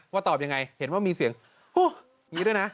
ตอบยังไงเห็นว่ามีเสียงอย่างนี้ด้วยนะ